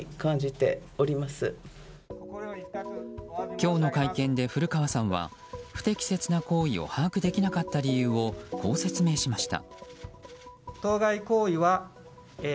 今日の会見で古川さんは不適切な行為を把握できなかった理由をこう説明しました。